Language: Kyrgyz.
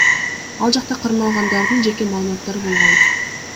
Ал жакта кармалгандардын жеке маалыматтары болгон.